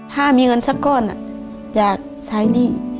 ถ้ามีเงินสักก้อนอยากใช้หนี้